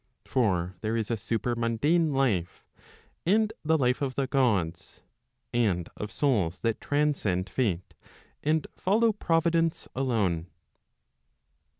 For there is a supermundane life, and the life of the Gods, and of 6ouls that transcend Fate, and follow Provi¬ dence alone.